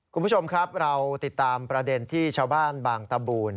คุณผู้ชมครับเราติดตามประเด็นที่ชาวบ้านบางตะบูน